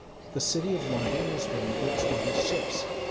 [*] The city of London was rated at twenty ships.